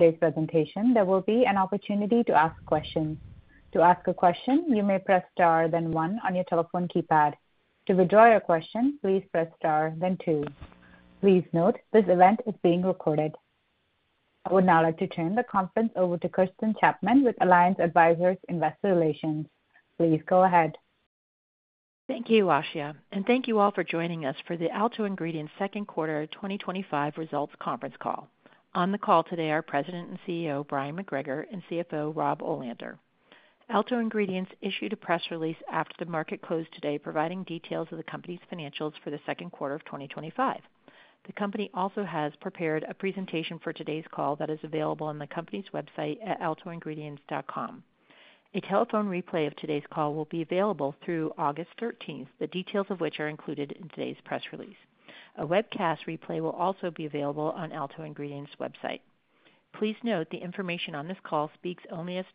Today's presentation, there will be an opportunity to ask questions. To ask a question, you may press star, then one on your telephone keypad. To withdraw your question, please press star, then two. Please note this event is being recorded. I would now like to turn the conference over to Kirsten Chapman with Alliance Advisors Investor Relations. Please go ahead. Thank you, Ashya, and thank you all for joining us for the Alto Ingredients Second Quarter 2025 Results Conference Call. On the call today are President and CEO Bryon McGregor and CFO Rob Olander. Alto Ingredients issued a press release after the market closed today, providing details of the company's financials for the second quarter of 2025. The company also has prepared a presentation for today's call that is available on the company's website at altoingredients.com. A telephone replay of today's call will be available through August 13, the details of which are included in today's press release. A webcast replay will also be available on Alto Ingredients' website. Please note the information on this call speaks only as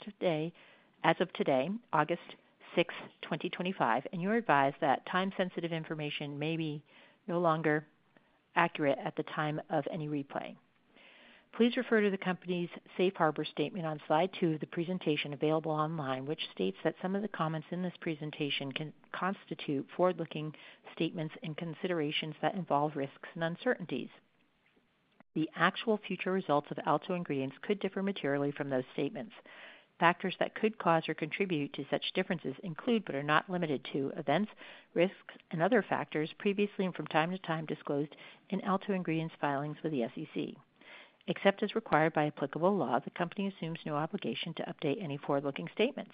of today, August 6, 2025, and you are advised that time-sensitive information may be no longer accurate at the time of any replay. Please refer to the company's safe harbor statement on slide two of the presentation available online, which states that some of the comments in this presentation can constitute forward-looking statements and considerations that involve risks and uncertainties. The actual future results of Alto Ingredients could differ materially from those statements. Factors that could cause or contribute to such differences include, but are not limited to, events, risks, and other factors previously and from time to time disclosed in Alto Ingredients' filings with the SEC. Except as required by applicable law, the company assumes no obligation to update any forward-looking statements.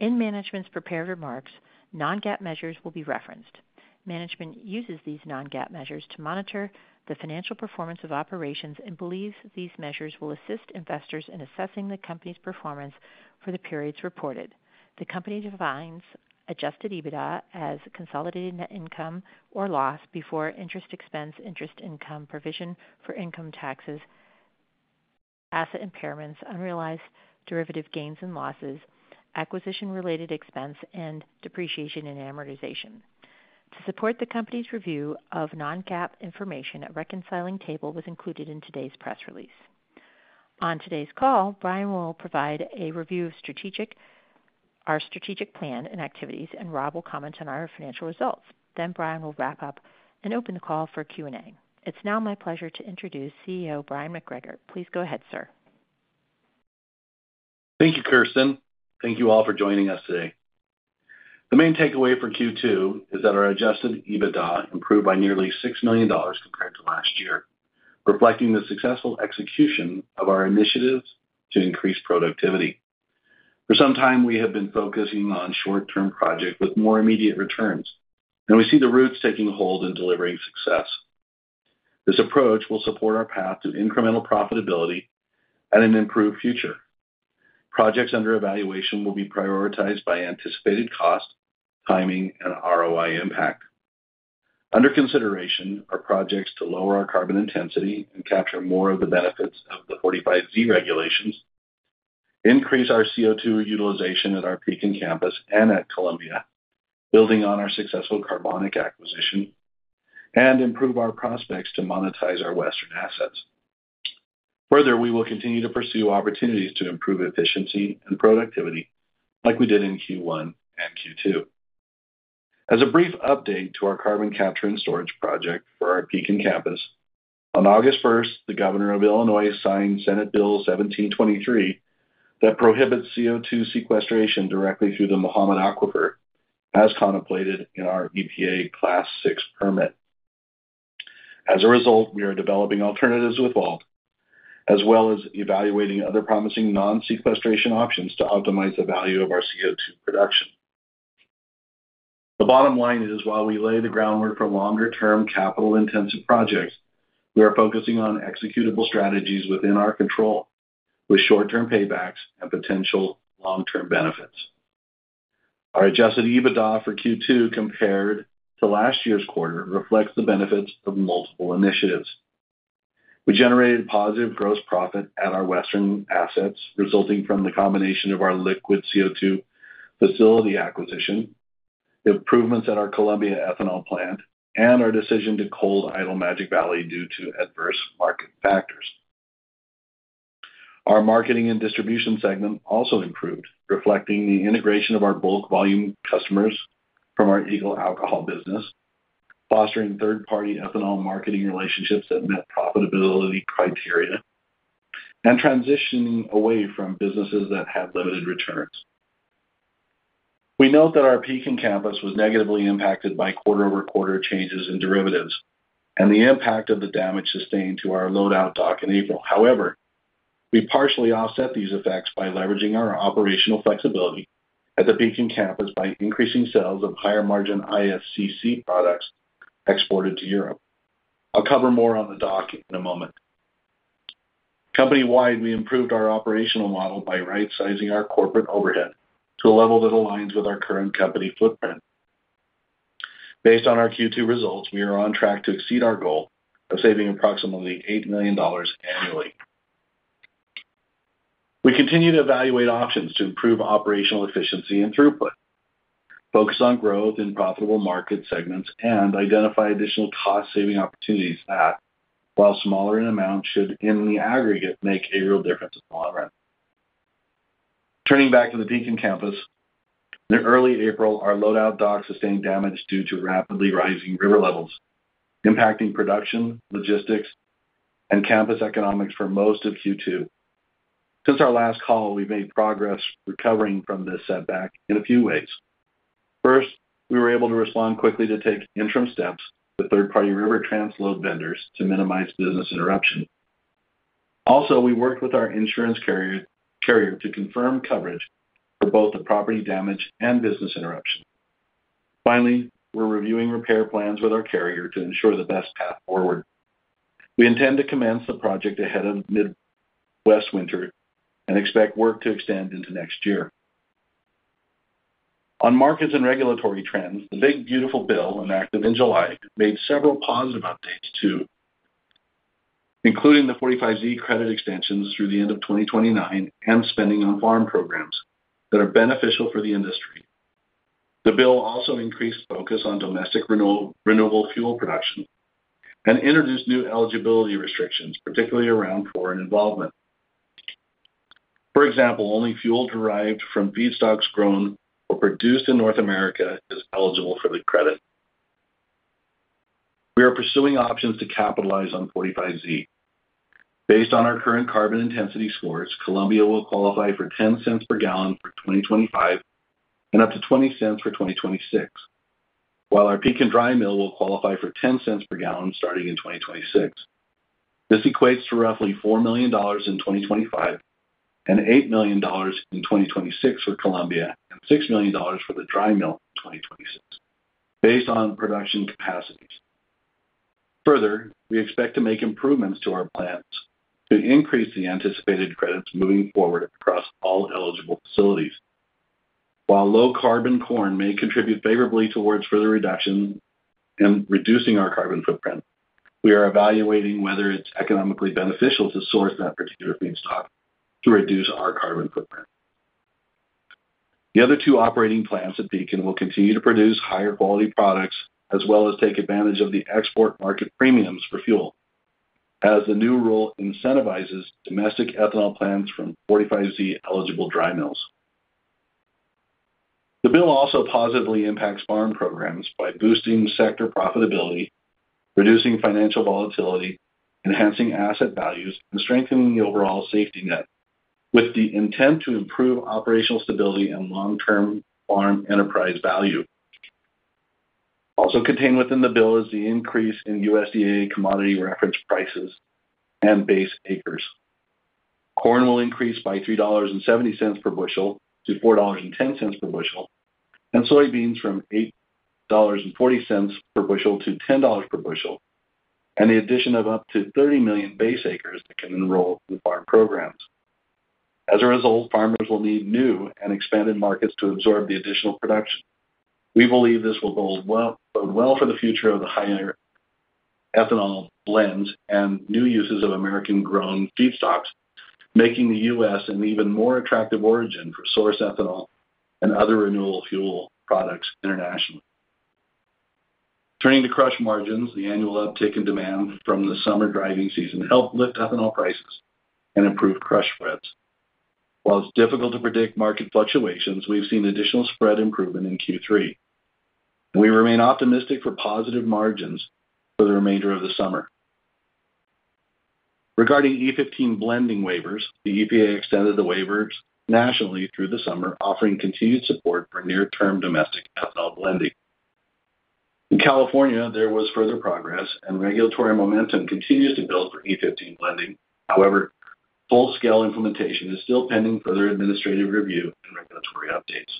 In management's prepared remarks, non-GAAP measures will be referenced. Management uses these non-GAAP measures to monitor the financial performance of operations and believes these measures will assist investors in assessing the company's performance for the periods reported. The company defines adjusted EBITDA as consolidated net income or loss before interest expense, interest income, provision for income taxes, asset impairments, unrealized derivative gains and losses, acquisition-related expense, and depreciation and amortization. To support the company's review of non-GAAP information, a reconciling table was included in today's press release. On today's call, Bryon will provide a review of our strategic plan and activities, and Rob will comment on our financial results. Bryon will wrap up and open the call for Q&A. It's now my pleasure to introduce CEO Bryon McGregor. Please go ahead, sir. Thank you, Kirsten. Thank you all for joining us today. The main takeaway for Q2 is that our adjusted EBITDA improved by nearly $6 million compared to last year, reflecting the successful execution of our initiatives to increase productivity. For some time, we have been focusing on short-term projects with more immediate returns, and we see the roots taking hold and delivering success. This approach will support our path to incremental profitability and an improved future. Projects under evaluation will be prioritized by anticipated cost, timing, and ROI impact. Under consideration are projects to lower our carbon intensity and capture more of the benefits of the 45Z regulations, increase our CO2 utilization at our Pekin campus and at Columbia, building on our successful Alto Carbonic acquisition, and improve our prospects to monetize our Western assets. Further, we will continue to pursue opportunities to improve efficiency and productivity, like we did in Q1 and Q2. As a brief update to our carbon capture and storage project for our Pekin campus, on August 1st, the Governor of Illinois signed Senate Bill 1723 that prohibits CO2 sequestration directly through the Mahomet Aquifer, as contemplated in our EPA Class VI permit. As a result, we are developing alternatives with WALT, as well as evaluating other promising non-sequestration options to optimize the value of our CO2 production. The bottom line is, while we lay the groundwork for longer-term capital-intensive projects, we are focusing on executable strategies within our control, with short-term paybacks and potential long-term benefits. Our adjusted EBITDA for Q2, compared to last year's quarter, reflects the benefits of multiple initiatives. We generated positive gross profit at our Western assets, resulting from the combination of our liquid CO2 facility acquisition, improvements at our Columbia ethanol plant, and our decision to cold idle Magic Valley due to adverse market factors. Our marketing and distribution segment also improved, reflecting the integration of our bulk volume customers from our Eagle Alcohol business, fostering third-party ethanol marketing relationships that met profitability criteria, and transitioning away from businesses that had limited returns. We note that our Pekin campus was negatively impacted by quarter-over-quarter changes in derivatives and the impact of the damage sustained to our loadout dock in April. However, we partially offset these effects by leveraging our operational flexibility at the Pekin campus by increasing sales of higher margin IFCC products exported to Europe. I'll cover more on the dock in a moment. Company-wide, we improved our operational model by right-sizing our corporate overhead to a level that aligns with our current company footprint. Based on our Q2 results, we are on track to exceed our goal of saving approximately $8 million annually. We continue to evaluate options to improve operational efficiency and throughput, focus on growth in profitable market segments, and identify additional cost-saving opportunities that, while smaller in amount, should in the aggregate make a real difference in the long run. Turning back to the Pekin campus, in early April, our loadout dock sustained damage due to rapidly rising river levels, impacting production, logistics, and campus economics for most of Q2. Since our last call, we've made progress recovering from this setback in a few ways. First, we were able to respond quickly to take interim steps with third-party river transload vendors to minimize business interruptions. Also, we worked with our insurance carrier to confirm coverage for both the property damage and business interruption. Finally, we're reviewing repair plans with our carrier to ensure the best path forward. We intend to commence the project ahead of Midwest winter and expect work to extend into next year. On markets and regulatory trends, the big beautiful bill enacted in July made several positive updates too, including the 45Z credit extensions through the end of 2029 and spending on farm programs that are beneficial for the industry. The bill also increased focus on domestic renewable fuel production and introduced new eligibility restrictions, particularly around foreign involvement. For example, only fuel derived from feedstocks grown or produced in North America is eligible for the credit. We are pursuing options to capitalize on 45Z. Based on our current carbon intensity scores, Columbia will qualify for $0.10 per 1 gal for 2025 and up to $0.20 for 2026, while our Pekin dry mill will qualify for $0.10 per 1 gal starting in 2026. This equates to roughly $4 million in 2025 and $8 million in 2026 for Columbia, and $6 million for the dry mill in 2026, based on production capacities. Further, we expect to make improvements to our plans to increase the anticipated credits moving forward across all eligible facilities. While low carbon corn may contribute favorably towards further reduction and reducing our carbon footprint, we are evaluating whether it's economically beneficial to source that particular feedstock to reduce our carbon footprint. The other two operating plants at Pekin will continue to produce higher quality products, as well as take advantage of the export market premiums for fuel, as the new rule incentivizes domestic ethanol plants from 45Z eligible dry mills. The bill also positively impacts farm programs by boosting sector profitability, reducing financial volatility, enhancing asset values, and strengthening the overall safety net, with the intent to improve operational stability and long-term farm enterprise value. Also contained within the bill is the increase in USDA commodity reference prices and base acres. Corn will increase by $3.70 per bushel to $4.10 per bushel, and soybeans from $8.40 per bushel to $10 per bushel, and the addition of up to 30 million base acres that can enroll in farm programs. As a result, farmers will need new and expanded markets to absorb the additional production. We believe this will bode well for the future of the higher ethanol blends and new uses of American-grown feedstocks, making the U.S. an even more attractive origin for source ethanol and other renewable fuel products internationally. Turning to crush margins, the annual uptick in demand from the summer driving season helped lift ethanol prices and improved crush spreads. While it's difficult to predict market fluctuations, we've seen additional spread improvement in Q3. We remain optimistic for positive margins for the remainder of the summer. Regarding E15 blending waivers, the EPA extended the waivers nationally through the summer, offering continued support for near-term domestic ethanol blending. In California, there was further progress, and regulatory momentum continues to build for E15 blending. However, full-scale implementation is still pending further administrative review and regulatory updates.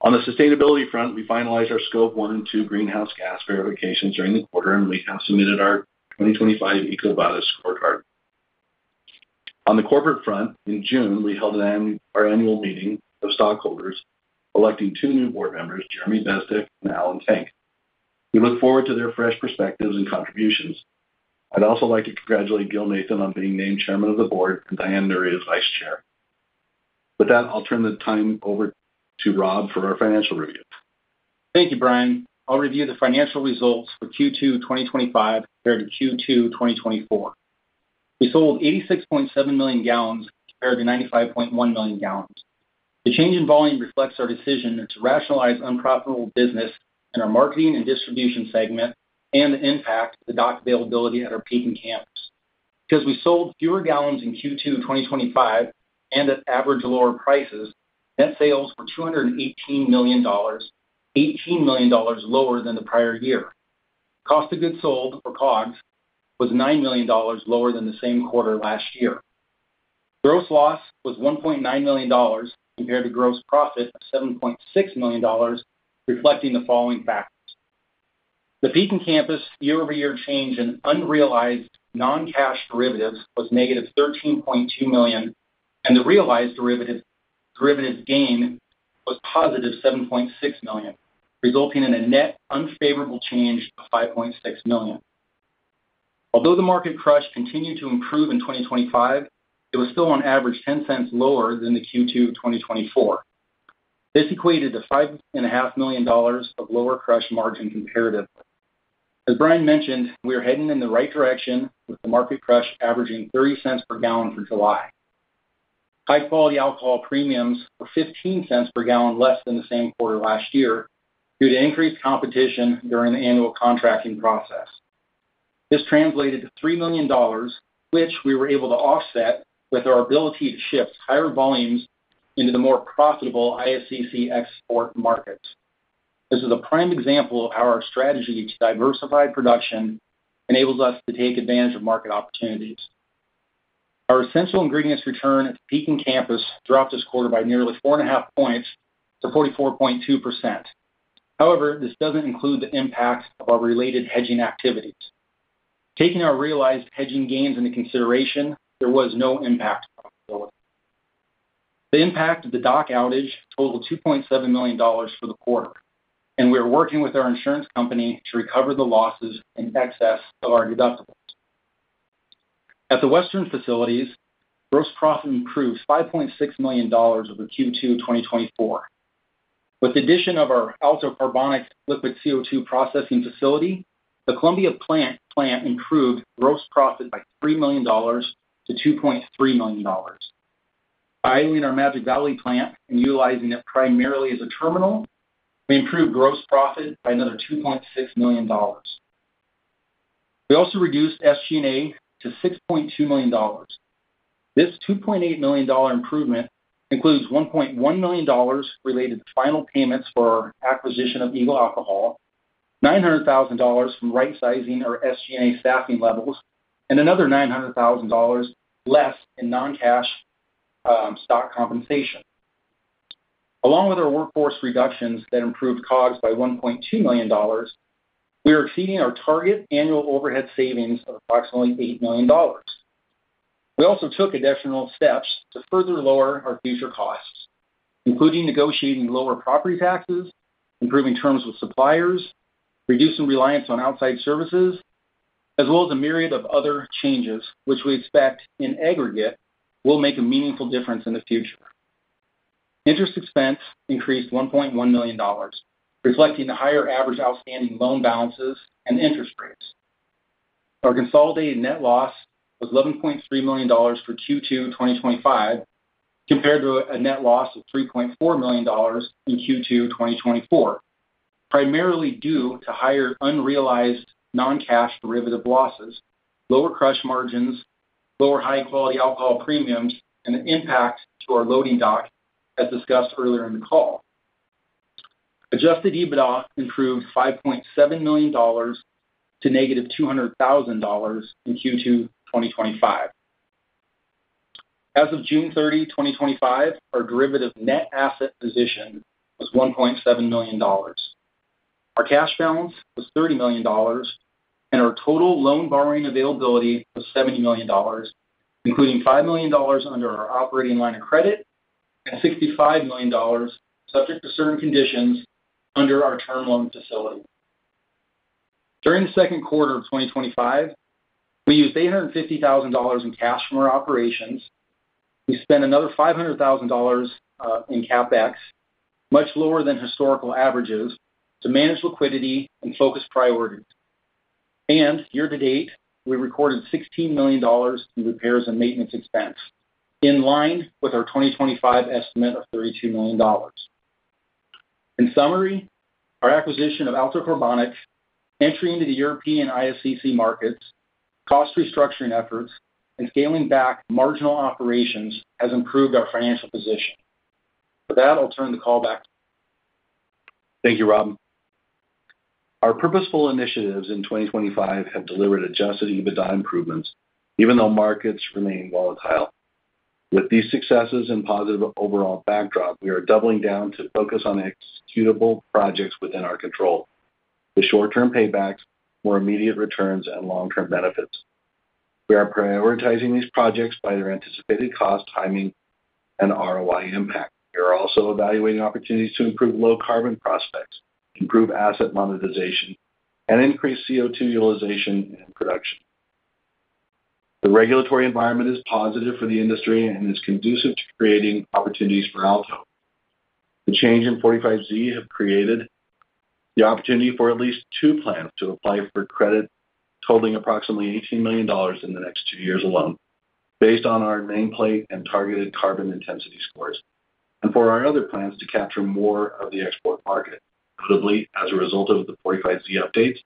On the sustainability front, we finalized our Scope 1 and 2 greenhouse gas verifications during the quarter, and we have submitted our 2025 EcoBonus scorecard on the corporate front. In June, we held our annual meeting of stockholders, electing two new board members, Jeremy Bestak and Alan Tank. We look forward to their fresh perspectives and contributions. I'd also like to congratulate Gil Nathan on being named Chairman of the Board and Diane Nuria as Vice Chair. With that, I'll turn the time over to Rob for our financial review. Thank you, Bryon. I'll review the financial results for Q2 2025 compared to Q2 2024. We sold 86.7 million gal compared to 95.1 million gal. The change in volume reflects our decision to rationalize unprofitable business in our marketing and distribution segment and impact the dock availability at our Pekin campus. Because we sold fewer gallons in Q2 2025 and at average lower prices, net sales were $218 million, $18 million lower than the prior year. Cost of goods sold, or COGS, was $9 million lower than the same quarter last year. Gross loss was $1.9 million compared to gross profit at $7.6 million, reflecting the following factors. The Pekin campus year-over-year change in unrealized non-cash derivatives was -$13.2 million, and the realized derivatives gain was +$7.6 million, resulting in a net unfavorable change of $5.6 million. Although the market crush continued to improve in 2025, it was still on average $0.10 lower than Q2 of 2024. This equated to $5.5 million of lower crush margin comparatively. As Bryon mentioned, we are heading in the right direction with the market crush averaging $0.30 per 1 gal for July. High-quality alcohol premiums were $0.15 per gallon less than the same quarter last year due to increased competition during the annual contracting process. This translated to $3 million, which we were able to offset with our ability to shift higher volumes into the more profitable IFCC export market. This is a prime example of how our strategy to diversify production enables us to take advantage of market opportunities. Our essential ingredients return at the Pekin campus dropped this quarter by nearly 4.5 points to 44.2%. However, this doesn't include the impact of our related hedging activities. Taking our realized hedging gains into consideration, there was no impact possibility. The impact of the dock outage totaled $2.7 million for the quarter, and we are working with our insurance company to recover the losses in excess of our deductible. At the Western facilities, gross profit improved $5.6 million over Q2 2024. With the addition of our Alto Carbonic Liquid CO2 processing facility, the Columbia plant improved gross profit by $3 million-$2.3 million. Buying in our Magic Valley plant and utilizing it primarily as a terminal, we improved gross profit by another $2.6 million. We also reduced SG&A to $6.2 million. This $2.8 million improvement includes $1.1 million related to final payments for our acquisition of Eagle Alcohol, $900,000 from rightsizing our SG&A staffing levels, and another $900,000 less in non-cash stock compensation. Along with our workforce reductions that improved COGS by $1.2 million, we are exceeding our target annual overhead savings of approximately $8 million. We also took additional steps to further lower our future costs, including negotiating lower property taxes, improving terms with suppliers, reducing reliance on outside services, as well as a myriad of other changes, which we expect in aggregate will make a meaningful difference in the future. Interest expense increased $1.1 million, reflecting the higher average outstanding loan balances and interest rates. Our consolidated net loss was $11.3 million for Q2 2025, compared to a net loss of $3.4 million in Q2 2024, primarily due to higher unrealized non-cash derivative losses, lower crush margins, lower high-quality alcohol premiums, and the impact to our loading dock, as discussed earlier in the call. Adjusted EBITDA improved $5.7 million to -$200,000 in Q2 2025. As of June 30, 2025, our derivative net asset position was $1.7 million. Our cash balance was $30 million, and our total loan borrowing availability was $70 million, including $5 million under our operating line of credit and $65 million subject to certain conditions under our term loan facility. During the second quarter of 2025, we used $850,000 in cash from our operations. We spent another $500,000 in CapEx, much lower than historical averages, to manage liquidity and focus priorities. Year to date, we recorded $16 million in repairs and maintenance expense, in line with our 2025 estimate of $32 million. In summary, our acquisition of Alto Carbonic, entry into the European IFCC markets, cost restructuring efforts, and scaling back marginal operations has improved our financial position. With that, I'll turn the call back to you. Thank you, Rob. Our purposeful initiatives in 2025 have delivered adjusted EBITDA improvements, even though markets remain volatile. With these successes and positive overall backdrop, we are doubling down to focus on executable projects within our control, the short-term paybacks, more immediate returns, and long-term benefits. We are prioritizing these projects by their anticipated cost, timing, and ROI impact. We are also evaluating opportunities to improve low carbon prospects, improve asset monetization, and increase CO2 utilization in production. The regulatory environment is positive for the industry and is conducive to creating opportunities for Alto. The change in 45Z has created the opportunity for at least two plants to apply for credit, totaling approximately $18 million in the next two years alone, based on our nameplate and targeted carbon intensity scores, and for our other plants to capture more of the export market, notably as a result of the 45Z updates,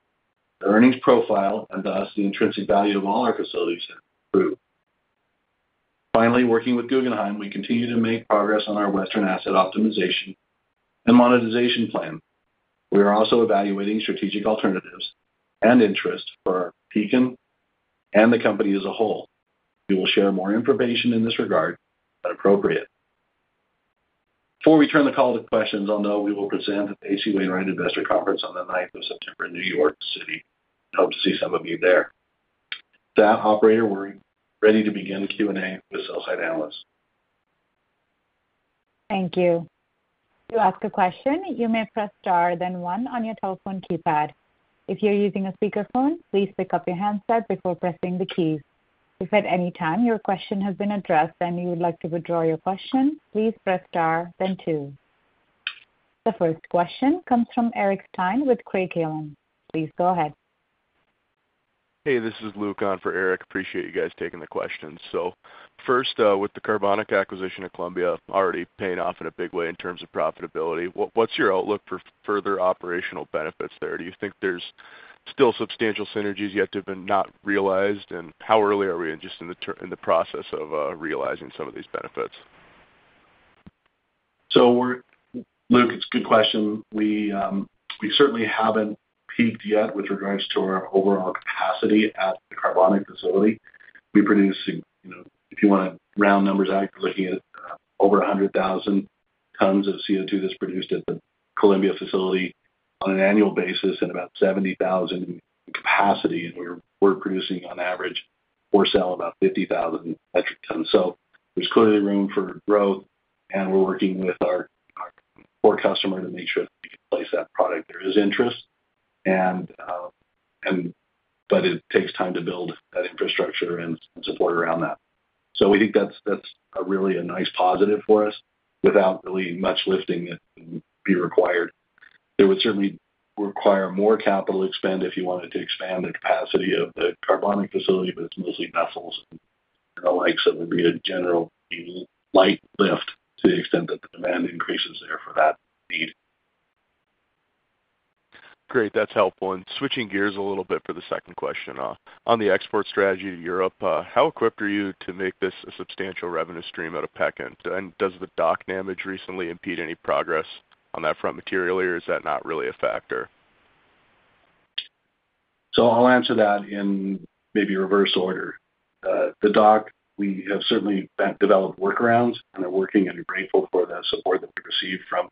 the earnings profile, and thus the intrinsic value of all our facilities that improve. Finally, working with Guggenheim, we continue to make progress on our Western asset optimization and monetization plan. We are also evaluating strategic alternatives and interest for Pekin and the company as a whole. We will share more information in this regard as appropriate. Before we turn the call to questions, I'll note we will present at the H.C. Wainwright Investor Conference on the 9th of September in New York City. I hope to see some of you there. With that, operator, we're ready to begin the Q&A with Sell-Side Analyst. Thank you. To ask a question, you may press star, then one on your telephone keypad. If you're using a speakerphone, please pick up your handset before pressing the keys. If at any time your question has been addressed and you would like to withdraw your question, please press star, then two. The first question comes from Eric Stein with Craig-Hallum. Please go ahead. Hey, this is Luke on for Eric. Appreciate you guys taking the questions. With the Alto Carbonic acquisition at Columbia already paying off in a big way in terms of profitability, what's your outlook for further operational benefits there? Do you think there's still substantial synergies yet to have been realized? How early are we in just in the process of realizing some of these benefits? It's a good question. We certainly haven't peaked yet with regards to our overall capacity at the Alto Carbonic facility. We produce, if you want to round numbers out, we're looking at over 100,000 tons of CO2 that's produced at the Columbia facility on an annual basis and about 70,000 in capacity. We're producing on average for sale about 50,000 metric tons. There's clearly room for growth, and we're working with our core customer to make sure that we can place that product. There is interest, but it takes time to build that infrastructure and support around that. We think that's really a nice positive for us without really much lifting that would be required. It would certainly require more capital expend if you wanted to expand the capacity of the Alto Carbonic facility, but it's mostly vessels and the like. It would be a general lift to the extent that the demand increases there for that need. Great. That's helpful. Switching gears a little bit for the second question, on the export strategy to Europe, how equipped are you to make this a substantial revenue stream out of Pekin? Does the dock damage recently impede any progress on that front materially, or is that not really a factor? I'll answer that in maybe reverse order. The dock, we have certainly developed workarounds and are working and are grateful for that support that we've received from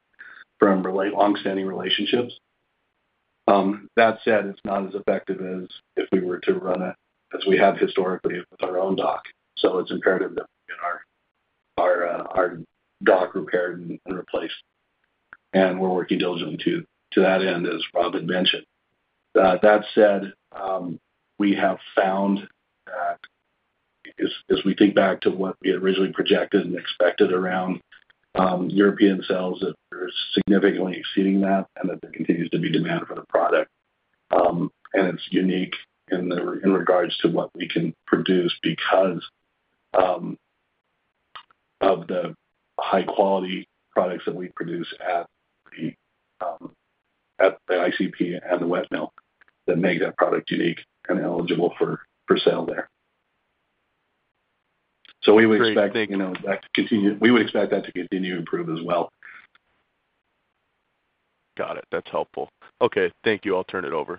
longstanding relationships. That said, it's not as effective as if we were to run it as we have historically with our own dock. It's imperative that we get our dock repaired and replaced. We're working diligently to that end, as Rob mentioned. That said, we have found that as we think back to what we had originally projected and expected around European sales, we're significantly exceeding that and there continues to be demand for the project. It's unique in regards to what we can produce because of the high-quality products that we produce at the ICP and the wet mill that make that product unique and eligible for sale there. We would expect that to continue. We would expect that to continue to improve as well. Got it. That's helpful. Okay, thank you. I'll turn it over.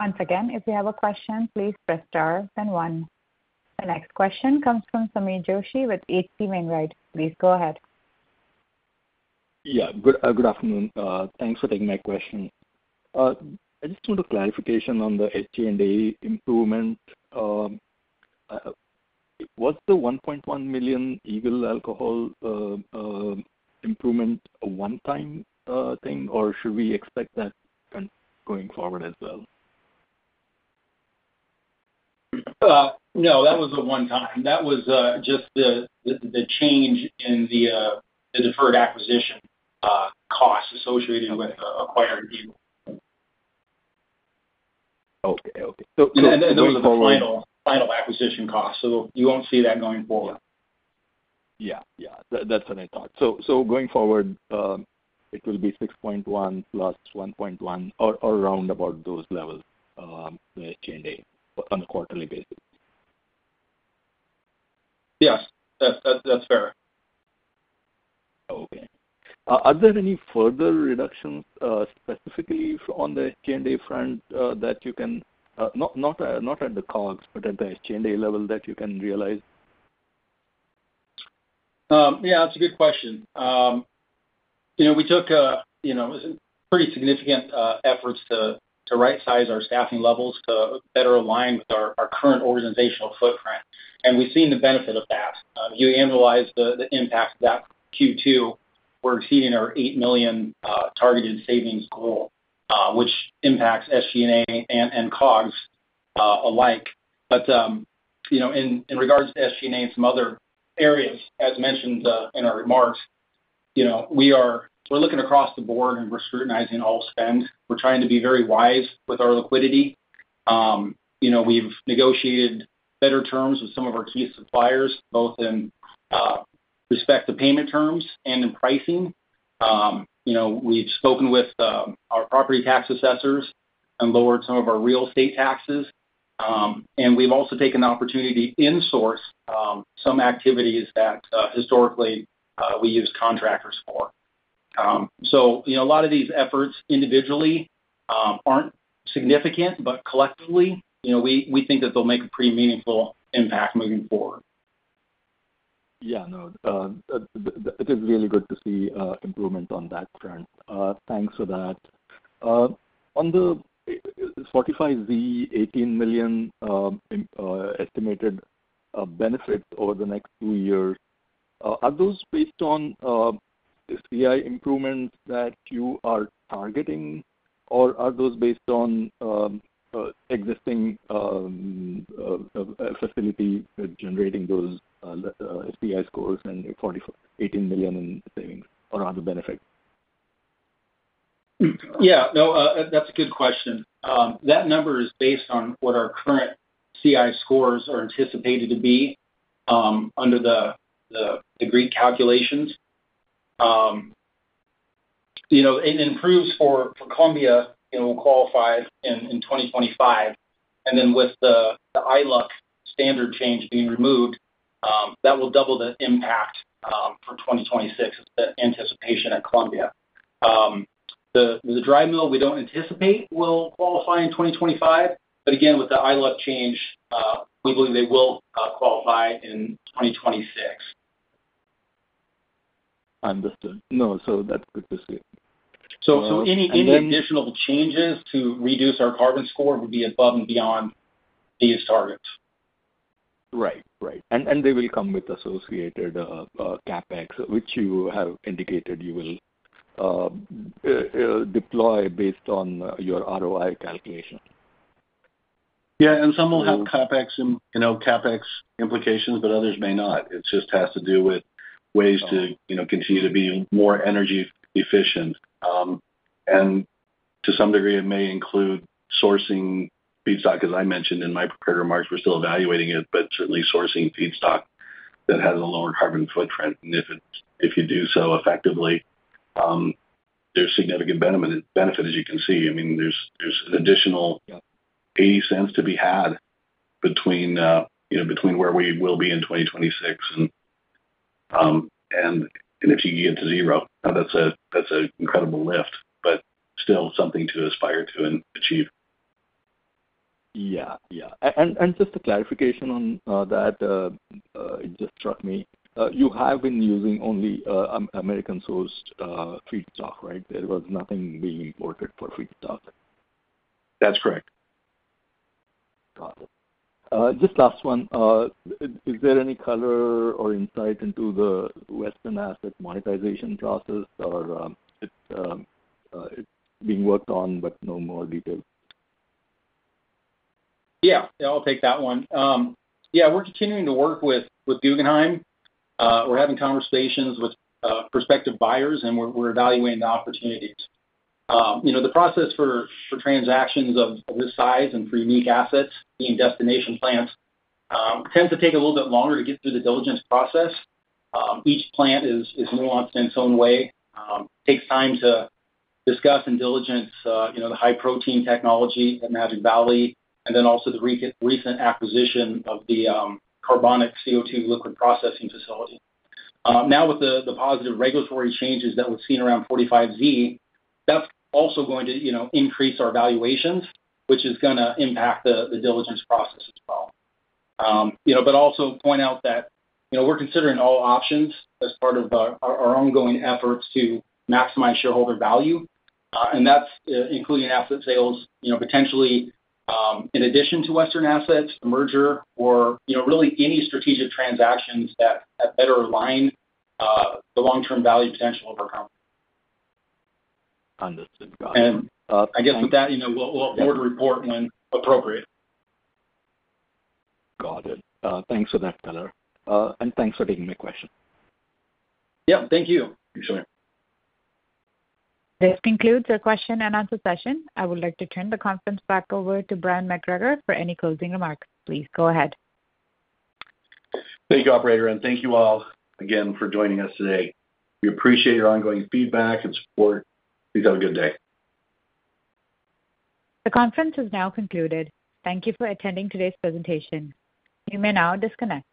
Once again, if you have a question, please press star, then one. The next question comes from Sameer Joshi with H.C. Wainwright. Please go ahead. Yeah. Good afternoon. Thanks for taking my question. I just want a clarification on the SG&A improvement. Was the $1.1 million Eagle Alcohol improvement a one-time thing, or should we expect that going forward as well? No, that was a one-time. That was just the change in the deferred acquisition cost associated with acquiring Eagle. Okay. Okay. That was the final acquisition cost. You won't see that going forward. That's what I thought. Going forward, it will be $6.1 million+$1.1 million or around about those levels, the G&A on a quarterly basis. Yes, that's fair. Okay. Are there any further reductions specifically on the SG&A front that you can, not at the COGS, but at the SG&A level that you can realize? Yeah, that's a good question. We took some pretty significant efforts to right-size our staffing levels to better align with our current organizational footprint, and we've seen the benefit of that. If you analyze the impact of that in Q2, we're exceeding our $8 million targeted savings goal, which impacts SG&A and COGS alike. In regards to SG&A and some other areas, as mentioned in our remarks, we are looking across the board and we're scrutinizing all spend. We're trying to be very wise with our liquidity. We've negotiated better terms with some of our key suppliers, both in respect to payment terms and in pricing. We've spoken with our property tax assessors and lowered some of our real estate taxes. We've also taken the opportunity to insource some activities that historically we used contractors for. A lot of these efforts individually aren't significant, but collectively, we think that they'll make a pretty meaningful impact moving forward. Yeah, no, it is really good to see improvements on that front. Thanks for that. On the 45Z $18 million estimated benefits over the next two years, are those based on SG&A improvements that you are targeting, or are those based on existing facility generating those SG&A scores and the $18 million in savings or other benefits? Yeah, no, that's a good question. That number is based on what our current CI scores are anticipated to be under the green calculations. You know, it improves for Columbia, you know, will qualify in 2025. With the ILUC standard change being removed, that will double the impact for 2026 with the anticipation at Columbia. The dry mill we don't anticipate will qualify in 2025. Again, with the ILUC change, we believe they will qualify in 2026. Understood. That's good to see. Any additional changes to reduce our carbon score would be above and beyond these targets. Right. Right. They will come with associated CapEx, which you have indicated you will deploy based on your ROI calculation. Yeah. Some will have CapEx implications, but others may not. It just has to do with ways to continue to be more energy efficient. To some degree, it may include sourcing feedstock, as I mentioned in my prepared remarks. We're still evaluating it, but certainly sourcing feedstock that has a lower carbon footprint. If you do so effectively, there's significant benefit, as you can see. There's an additional $0.80 to be had between where we will be in 2026 and if you can get to zero. That's an incredible lift, but still something to aspire to and achieve. Yeah. Just a clarification on that, it just struck me. You have been using only American-sourced feedstock, right? There was nothing being imported for feedstock? That's correct. Got it. Just last one. Is there any color or insight into the Western asset monetization process, or is it being worked on, but no more detail? Yeah, I'll take that one. We're continuing to work with Guggenheim. We're having conversations with prospective buyers, and we're evaluating the opportunities. The process for transactions of this size and for unique assets in destination plants tends to take a little bit longer to get through the diligence process. Each plant is nuanced in its own way. It takes time to discuss and diligence the high-protein technology at Magic Valley, and also the recent acquisition of the Alto Carbonic CO2 liquid processing facility. Now, with the positive regulatory changes that we've seen around 45Z, that's also going to increase our valuations, which is going to impact the diligence process as well. I would also point out that we're considering all options as part of our ongoing efforts to maximize shareholder value. That's including asset sales, potentially in addition to Western assets, the merger, or any strategic transactions that better align the long-term value potential of our company. Understood. Got it. We'll forward a report when appropriate. Got it. Thanks for that, Rob. Thanks for taking my question. Yeah, thank you. Appreciate it. This concludes our question and answer session. I would like to turn the conference back over to Bryon McGregor for any closing remarks. Please go ahead. Thank you, operator, and thank you all again for joining us today. We appreciate your ongoing feedback and support. Please have a good day. The conference is now concluded. Thank you for attending today's presentation. You may now disconnect.